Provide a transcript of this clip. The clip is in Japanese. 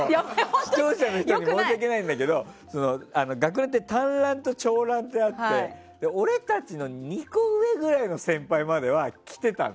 視聴者の人に申し訳ないんだけど学ランって短ランと長ランがあって俺たちの２個上くらいの先輩までは着てたの。